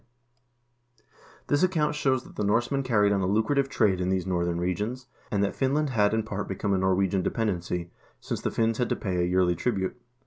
NORMANDY AND THE NORMANS 145 This account shows that the Norsemen carried on a lucrative trade in these northern regions, and that Finland had in part become a Norwegian dependency, since the Finns had to pay a yearly tribute.